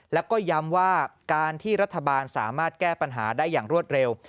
แล้วก็ย้ำว่าการที่รัฐบาลสามารถแก้ปัญหาได้อย่างรวดเร็ว